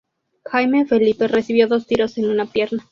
Jaime Felipe, recibió dos tiros en una pierna.